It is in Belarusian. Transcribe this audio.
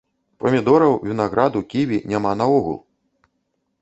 Памідораў, вінаграду, ківі няма наогул!